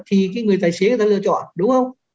thì cái người tài xế người ta lựa chọn đúng không